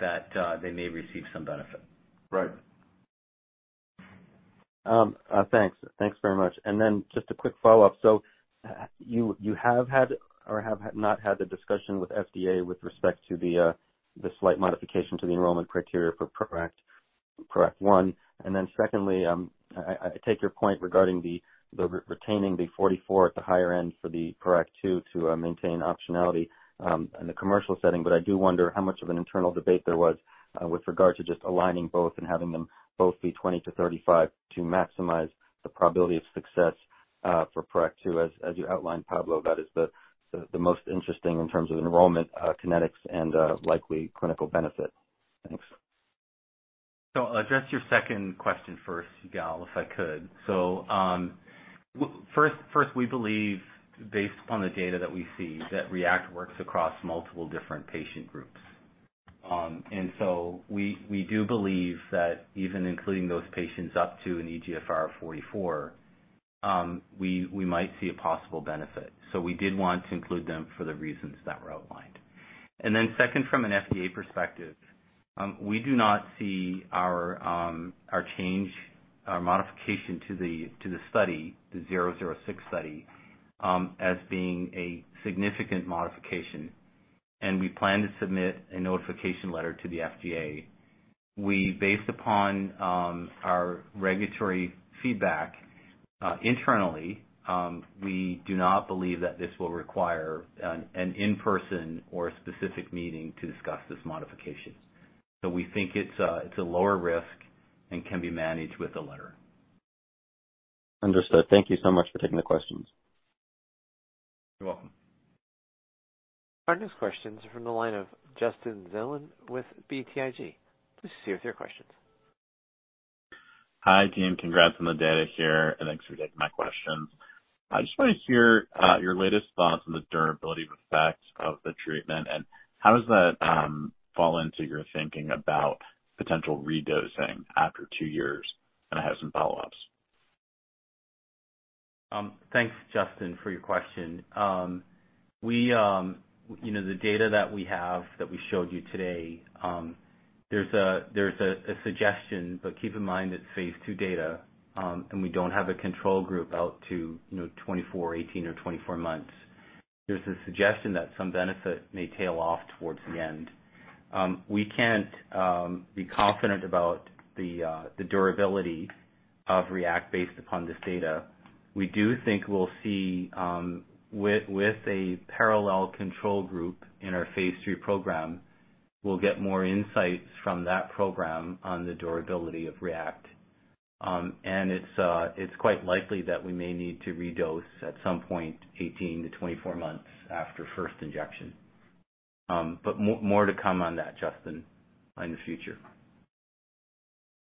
that they may receive some benefit. Right. Thanks. Thanks very much. And then just a quick follow-up: So, you have had or have not had the discussion with FDA with respect to the slight modification to the enrollment criteria for PROACT-1. And then secondly, I take your point regarding the retaining the 44 at the higher end for the PROACT-2 to maintain optionality in the commercial setting. But I do wonder how much of an internal debate there was with regard to just aligning both and having them both be 20-35 to maximize the probability of success for PROACT-2. As you outlined, Pablo, that is the most interesting in terms of enrollment kinetics and likely clinical benefit. Thanks. So I'll address your second question first, Gal, if I could. So, first, first, we believe, based upon the data that we see, that REACT works across multiple different patient groups. And so we, we do believe that even including those patients up to an eGFR of 44, we, we might see a possible benefit. So we did want to include them for the reasons that were outlined. And then second, from an FDA perspective, we do not see our, our change, our modification to the, to the study, the 006 study, as being a significant modification, and we plan to submit a notification letter to the FDA. We, based upon, our regulatory feedback, internally, we do not believe that this will require an, an in-person or a specific meeting to discuss this modification. So we think it's a lower risk and can be managed with a letter. Understood. Thank you so much for taking the questions. You're welcome. Our next questions are from the line of Justin Zelin with BTIG. Please proceed with your questions. Hi, team. Congrats on the data here, and thanks for taking my questions. I just want to hear your latest thoughts on the durability of effect of the treatment, and how does that fall into your thinking about potential redosing after two years? I have some follow-ups. Thanks, Justin, for your question. We, you know, the data that we have, that we showed you today, there's a suggestion, but keep in mind, it's phase II data, and we don't have a control group out to, you know, 18 or 24 months. There's a suggestion that some benefit may tail off towards the end. We can't be confident about the durability of REACT based upon this data. We do think we'll see, with a parallel control group in our phase III program, we'll get more insights from that program on the durability of REACT. And it's quite likely that we may need to redose at some point, 18-24 months after first injection. But more to come on that, Justin, in the future.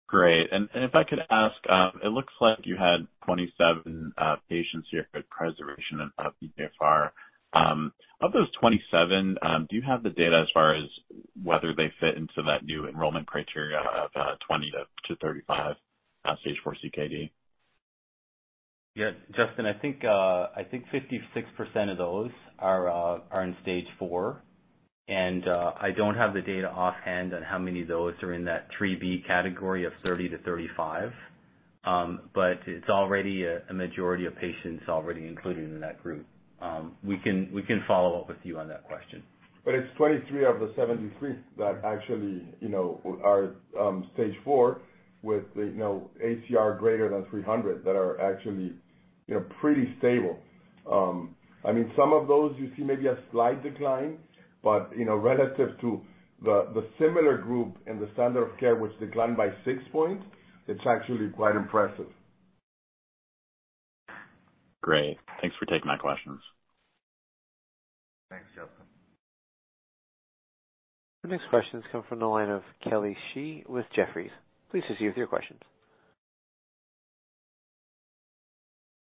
Great. And if I could ask, it looks like you had 27 patients here at preservation and eGFR. Of those 27, do you have the data as far as whether they fit into that new enrollment criteria of 20-35 Stage 4 CKD? Yeah, Justin, I think 56% of those are in Stage 4. And I don't have the data offhand on how many of those are in that 3b category of 30-35, but it's already a majority of patients already included in that group. We can follow up with you on that question. But it's 23 of the 73 that actually, you know, are, stage four, with, you know, ACR greater than 300, that are actually, you know, pretty stable. I mean, some of those you see maybe a slight decline, but, you know, relative to the, the similar group in the standard of care, which declined by six points, it's actually quite impressive. Great. Thanks for taking my questions. Thanks, Justin. The next questions come from the line of Kelly Shi with Jefferies. Please just proceed with your questions.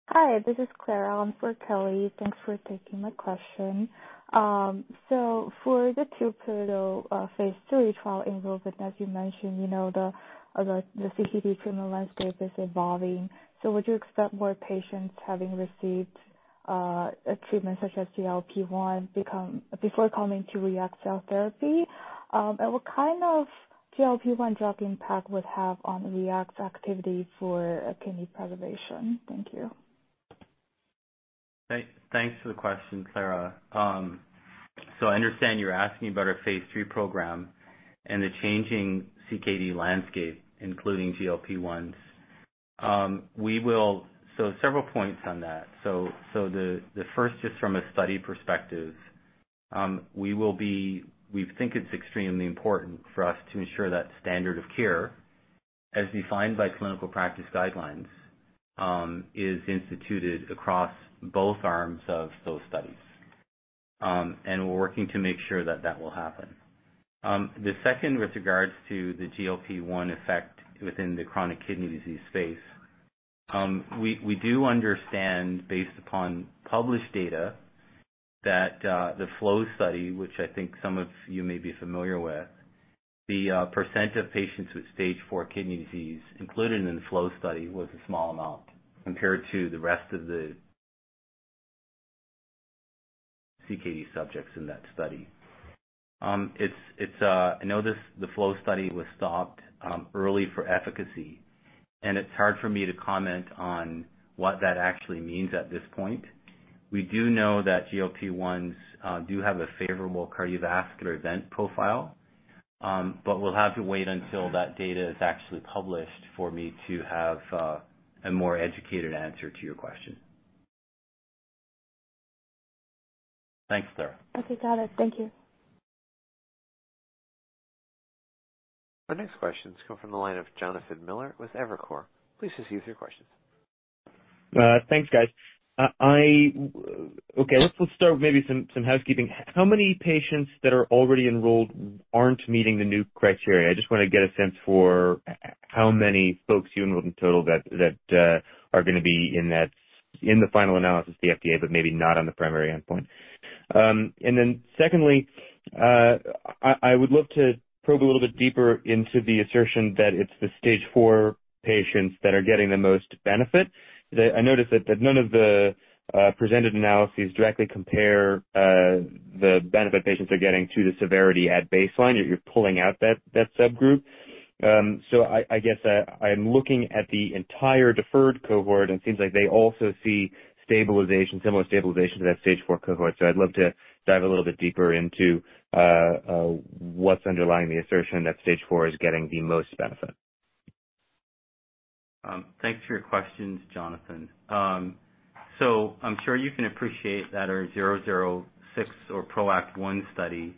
Hi, this is Clara in for Kelly. Thanks for taking my question. So for the PROACT 2 phase III trial enrollment, as you mentioned, you know, the CKD clinical landscape is evolving. So would you expect more patients having received a treatment such as GLP-1 before coming to REACT cell therapy? And what kind of GLP-1 drug impact would have on REACT's activity for kidney preservation? Thank you. Thanks for the question, Clara. So I understand you're asking about our phase three program and the changing CKD landscape, including GLP-1s. We will. So several points on that. So the first, just from a study perspective, we will be. We think it's extremely important for us to ensure that standard of care, as defined by clinical practice guidelines, is instituted across both arms of those studies. And we're working to make sure that that will happen. The second, with regards to the GLP-1 effect within the chronic kidney disease space, we do understand, based upon published data, that the FLOW study, which I think some of you may be familiar with, the percent of patients with Stage 4 kidney disease included in the flow study, was a small amount compared to the rest of the CKD subjects in that study. It's, I know this, the flow study was stopped early for efficacy, and it's hard for me to comment on what that actually means at this point. We do know that GLP-1s do have a favorable cardiovascular event profile. But we'll have to wait until that data is actually published for me to have a more educated answer to your question. Thanks, Clara. Okay, got it. Thank you. Our next question comes from the line of Jonathan Miller with Evercore. Please just proceed with your questions. Thanks, guys. Okay, let's start with maybe some housekeeping. How many patients that are already enrolled aren't meeting the new criteria? I just want to get a sense for how many folks you enrolled in total that are going to be in that, in the final analysis with the FDA, but maybe not on the primary endpoint. And then secondly, I would look to probe a little bit deeper into the assertion that it's the stage four patients that are getting the most benefit. That I noticed that none of the presented analyses directly compare the benefit patients are getting to the severity at baseline. You're pulling out that subgroup. So I guess, I'm looking at the entire deferred cohort, and it seems like they also see stabilization, similar stabilization to that Stage 4 cohort. So I'd love to dive a little bit deeper into what's underlying the assertion that Stage 4 is getting the most benefit. Thanks for your questions, Jonathan. So I'm sure you can appreciate that our 006 or PROACT 1 study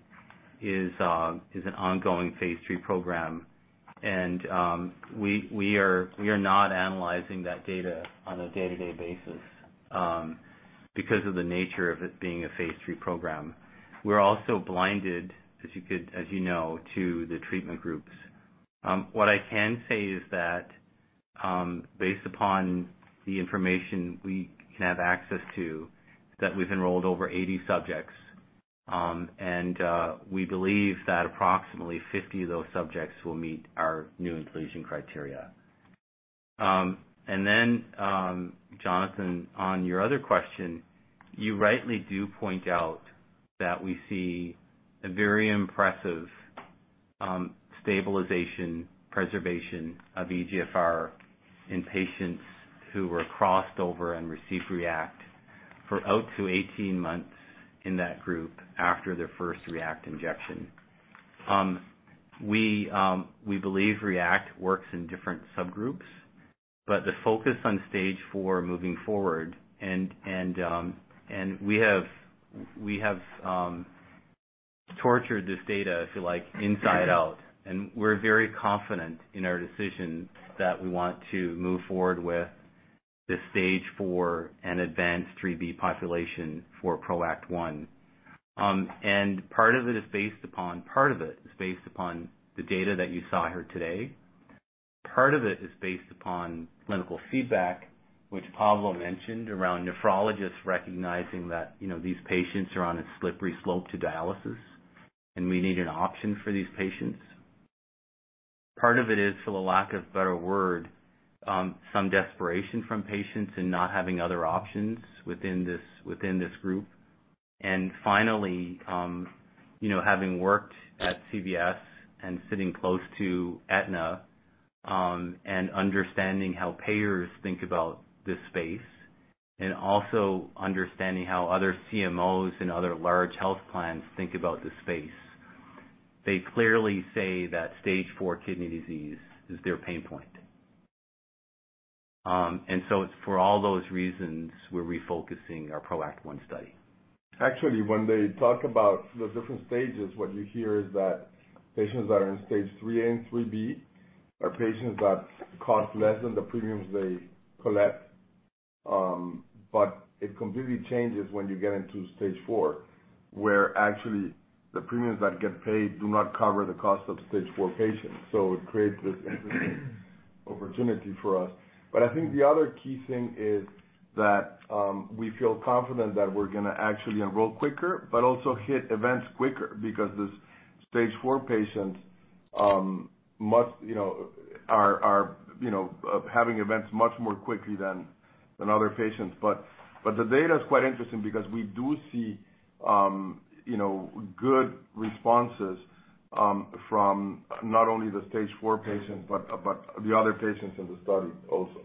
is an ongoing phase III program, and we are not analyzing that data on a day-to-day basis, because of the nature of it being a phase III program. We're also blinded, as you know, to the treatment groups. What I can say is that based upon the information we can have access to, that we've enrolled over 80 subjects, and we believe that approximately 50 of those subjects will meet our new inclusion criteria. And then, Jonathan, on your other question, you rightly do point out that we see a very impressive, stabilization, preservation of eGFR in patients who were crossed over and received REACT for out to 18 months in that group after their first REACT injection. We, we believe REACT works in different subgroups, but the focus on Stage 4 moving forward and, and, and we have, we have, tortured this data, if you like, inside out, and we're very confident in our decision that we want to move forward with the Stage 4 and advanced Stage 3b population for PROACT 1. And part of it is based upon, part of it is based upon the data that you saw here today. Part of it is based upon clinical feedback, which Pablo mentioned, around nephrologists recognizing that, you know, these patients are on a slippery slope to dialysis, and we need an option for these patients. Part of it is, for the lack of a better word, some desperation from patients in not having other options within this, within this group. And finally, you know, having worked at CVS and sitting close to Aetna, and understanding how payers think about this space, and also understanding how other CMOs and other large health plans think about this space, they clearly say that stage four kidney disease is their pain point. And so it's for all those reasons, we're refocusing our PROACT 1 study. Actually, when they talk about the different stages, what you hear is that patients that are in Stage 3a and 3b are patients that cost less than the premiums they collect. But it completely changes when you get into Stage 4, where actually the premiums that get paid do not cover the cost of Stage 4 patients. So it creates this opportunity for us. But I think the other key thing is that we feel confident that we're gonna actually enroll quicker, but also hit events quicker because this Stage 4 patients you know are having events much more quickly than other patients. But the data is quite interesting because we do see you know good responses from not only the Stage 4 patients, but the other patients in the study also.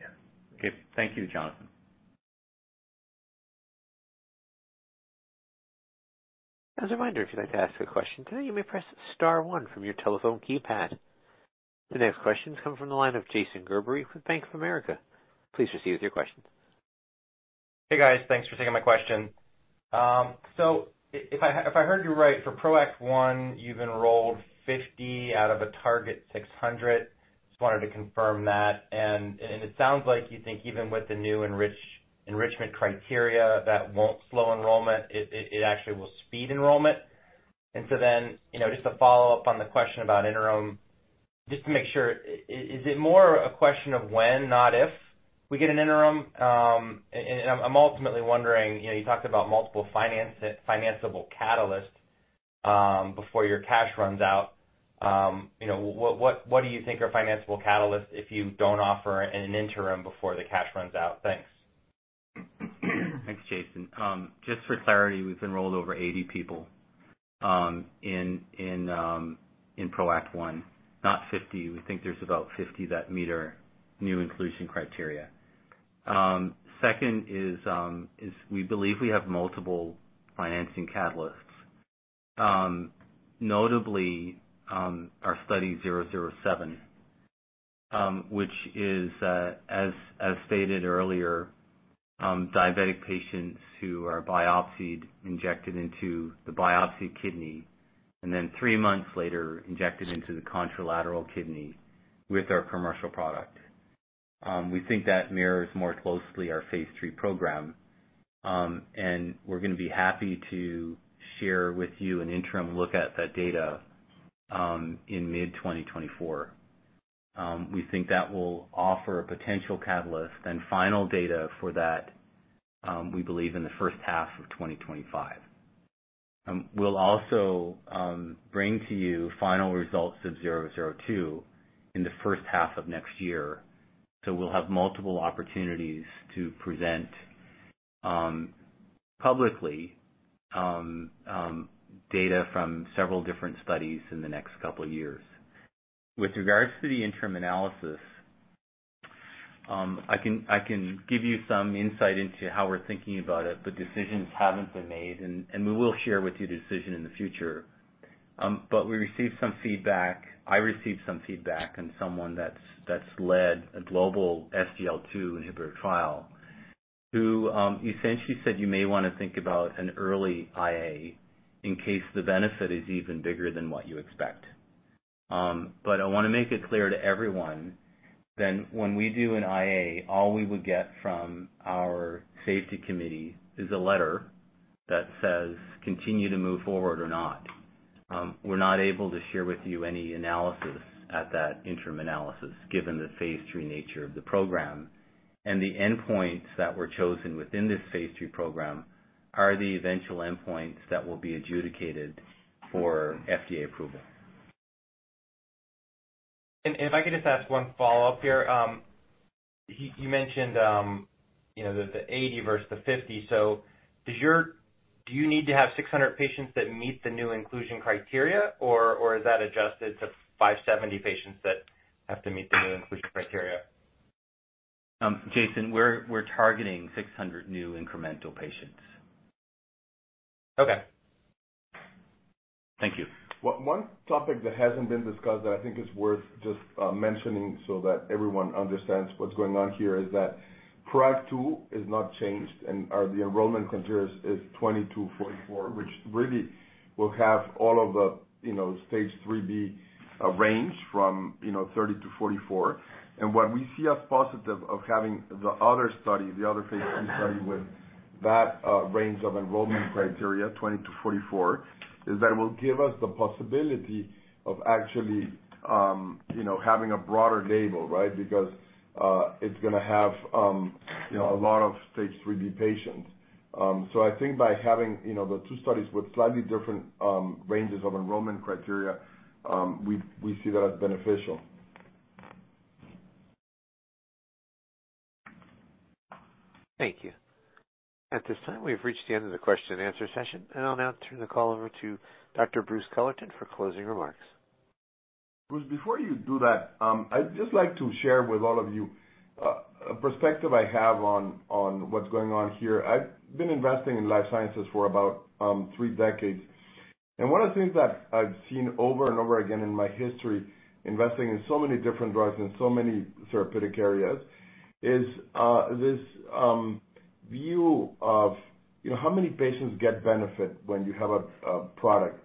Yeah. Okay. Thank you, Jonathan. As a reminder, if you'd like to ask a question today, you may press star one from your telephone keypad. The next question comes from the line of Jason Gerberry with Bank of America. Please proceed with your question. Hey, guys. Thanks for taking my question. So if I, if I heard you right, for PROACT 1, you've enrolled 50 out of a target 600. Just wanted to confirm that. And it sounds like you think even with the new enrichment criteria, that won't slow enrollment, it actually will speed enrollment. And so then, you know, just to follow up on the question about interim, just to make sure, is it more a question of when, not if, we get an interim? And I'm ultimately wondering, you know, you talked about multiple financiable catalysts, before your cash runs out. You know, what do you think are financiable catalysts if you don't offer an interim before the cash runs out? Thanks. Thanks, Jason. Just for clarity, we've enrolled over 80 people in PROACT 1, not 50. We think there's about 50 that meet our new inclusion criteria. Second is we believe we have multiple financing catalysts. Notably, our study 007, which is, as stated earlier, diabetic patients who are biopsied, injected into the biopsied kidney, and then 3 months later, injected into the contralateral kidney with our commercial product. We think that mirrors more closely our phase III program. And we're gonna be happy to share with you an interim look at that data in mid-2024. We think that will offer a potential catalyst and final data for that, we believe in the first half of 2025. We'll also bring to you final results of 002 in the first half of next year. So we'll have multiple opportunities to present publicly data from several different studies in the next couple of years. With regards to the interim analysis, I can give you some insight into how we're thinking about it, but decisions haven't been made, and we will share with you the decision in the future. But we received some feedback. I received some feedback, and someone that's, that's led a global SGLT2 inhibitor trial, who, essentially said, "You may wanna think about an early IA in case the benefit is even bigger than what you expect." But I want to make it clear to everyone that when we do an IA, all we would get from our safety committee is a letter that says, "Continue to move forward or not." We're not able to share with you any analysis at that interim analysis, given the phase III nature of the program. And the endpoints that were chosen within this phase III program are the eventual endpoints that will be adjudicated for FDA approval. If I could just ask one follow-up here. You mentioned, you know, the 80 versus the 50. Do you need to have 600 patients that meet the new inclusion criteria, or is that adjusted to 570 patients that have to meet the new inclusion criteria? Jason, we're targeting 600 new incremental patients. Okay. Thank you. One topic that hasn't been discussed that I think is worth just mentioning so that everyone understands what's going on here, is that PROACT 2 is not changed and the enrollment criteria is 20-44, which really will have all of the, you know, Stage 3b range from, you know, 30-44. And what we see as positive of having the other study, the other phase II study with that range of enrollment criteria, 20-44, is that it will give us the possibility of actually, you know, having a broader label, right? Because it's gonna have, you know, a lot of Stage 3b patients. So I think by having, you know, the two studies with slightly different ranges of enrollment criteria, we, we see that as beneficial. Thank you. At this time, we've reached the end of the question and answer session, and I'll now turn the call over to Dr. Bruce Culleton for closing remarks. Bruce, before you do that, I'd just like to share with all of you, a perspective I have on, on what's going on here. I've been investing in life sciences for about three decades, and one of the things that I've seen over and over again in my history, investing in so many different drugs and so many therapeutic areas, is this view of, you know, how many patients get benefit when you have a, a product.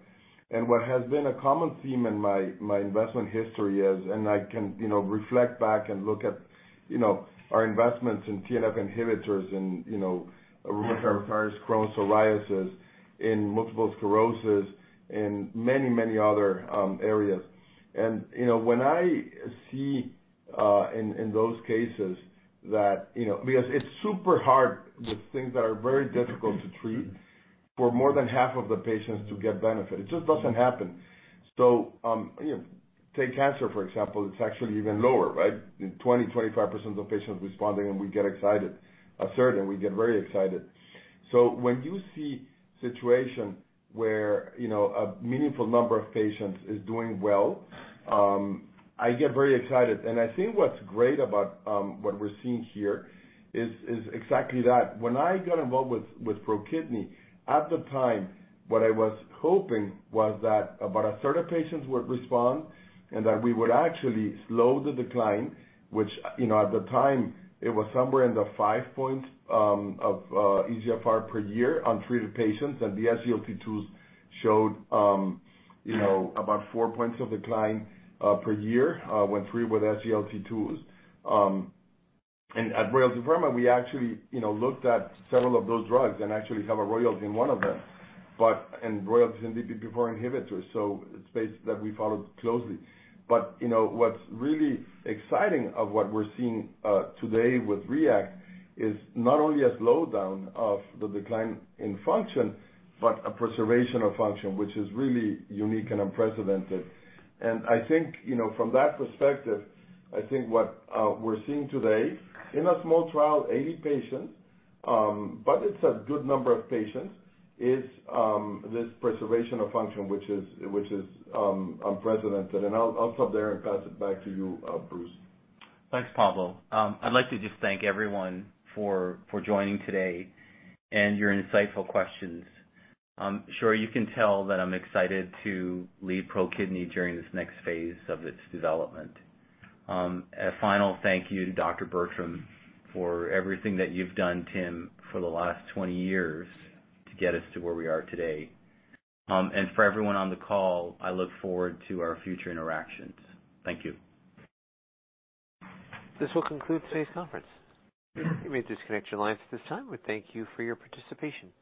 And what has been a common theme in my, my investment history is, and I can, you know, reflect back and look at, you know, our investments in TNF inhibitors and, you know, rheumatoid arthritis, Crohn's, psoriasis, in multiple sclerosis, in many, many other areas. You know, when I see in those cases that, you know, because it's super hard with things that are very difficult to treat for more than half of the patients to get benefit. It just doesn't happen. So, you know, take cancer, for example, it's actually even lower, right? 20%-25% of patients responding, and we get excited. A third, and we get very excited. So when you see situations where, you know, a meaningful number of patients is doing well, I get very excited. And I think what's great about what we're seeing here is exactly that. When I got involved with ProKidney, at the time, what I was hoping was that about a third of patients would respond and that we would actually slow the decline, which, you know, at the time, it was somewhere in the 5 point of eGFR per year on treated patients, and the SGLT2 showed, you know, about four points of decline per year when treated with SGLT2. And at Royalty Pharma, we actually, you know, looked at several of those drugs and actually have a royalty in one of them. But and royalties in DPP-4 inhibitors, so it's a space that we followed closely. But, you know, what's really exciting of what we're seeing today with REACT is not only a slowdown of the decline in function, but a preservation of function, which is really unique and unprecedented. I think, you know, from that perspective, I think what we're seeing today in a small trial, 80 patients, but it's a good number of patients, is this preservation of function, which is unprecedented. And I'll stop there and pass it back to you, Bruce. Thanks, Pablo. I'd like to just thank everyone for joining today and your insightful questions. I'm sure you can tell that I'm excited to lead ProKidney during this next phase of its development. A final thank you to Dr. Bertram for everything that you've done, Tim, for the last 20 years to get us to where we are today. And for everyone on the call, I look forward to our future interactions. Thank you. This will conclude today's conference. You may disconnect your lines at this time. We thank you for your participation.